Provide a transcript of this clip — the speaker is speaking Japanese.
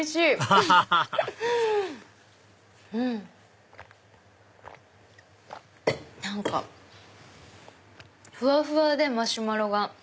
アハハハハ何かふわふわでマシュマロが。